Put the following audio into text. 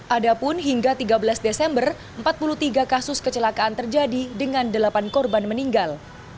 adapun hingga tiga belas desember empat puluh tiga kasus kecelakaan terjadi dengan delapan korban meninggal